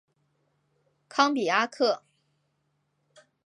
康比阿克。